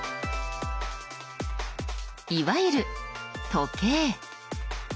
いわゆる時計。